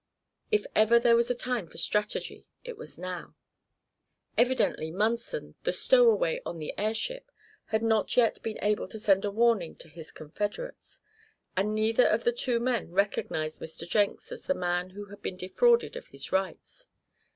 If ever there was a time for strategy, it was now. Evidently Munson, the stowaway on the airship, had not yet been able to send a warning to his confederates. And neither of the two men recognized Mr. Jenks as the man who had been defrauded of his rights.